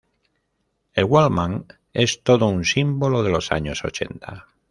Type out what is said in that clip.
El Walkman es todo un símbolo de los años ochenta.